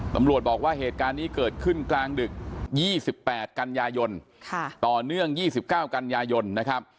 ตำรวจบอกว่าเหตุการณ์นี้เกิดขึ้นกลางดึก๒๘กันยายนต่อเนื่อง๒๙กันยายนนะครับ